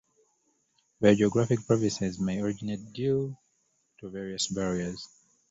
Biogeographic provinces may originate due to various barriers.